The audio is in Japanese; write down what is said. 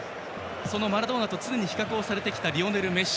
そのマラドーナと常に比較されてきたリオネル・メッシ。